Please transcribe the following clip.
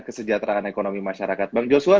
kesejahteraan ekonomi masyarakat bang joshua